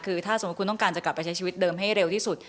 คือถ้าสมมุติคุณต้องการจะกลับไปใช้ชีวิตเดิมให้เร็วที่สุด